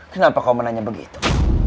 kenapa kau menanya begitu